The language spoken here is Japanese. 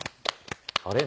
あれ？